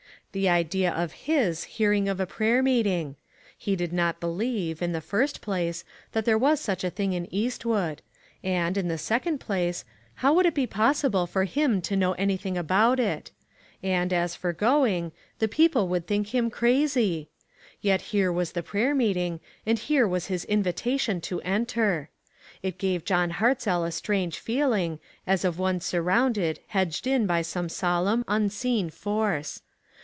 The idea of Ms hearing of a prayer meeting ! He did not believe, in the first place, that there was such a thing in Eastwood ; and, in the second place, how would it be possible for him to know any HEDGED IN. 305 thing about it. And, as for going, the people would think him crazy ! Yet here was the prayer meeting, and here was his invitation to enter! It gave John Hartzell a strange feeling, as of one surrounded, hedged in by some solemn, unseen force.